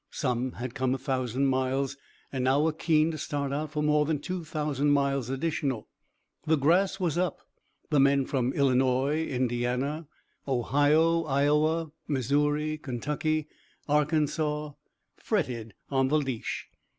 Some had come a thousand miles and now were keen to start out for more than two thousand miles additional. The grass was up. The men from Illinois, Indiana, Ohio, Iowa, Missouri, Kentucky, Arkansas fretted on the leash.